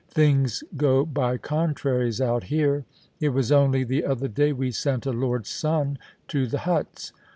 Things go by contraries out here. It was only the other day we sent a lord's son to the huts.